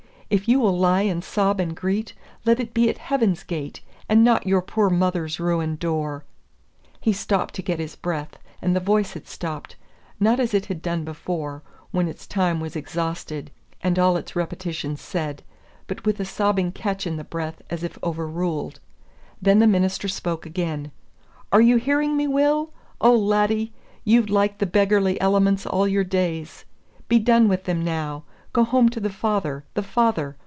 if you will lie and sob and greet, let it be at heaven's gate, and not your poor mother's ruined door." He stopped to get his breath; and the voice had stopped, not as it had done before, when its time was exhausted and all its repetitions said, but with a sobbing catch in the breath as if overruled. Then the minister spoke again, "Are you hearing me, Will? Oh, laddie, you've liked the beggarly elements all your days. Be done with them now. Go home to the Father the Father!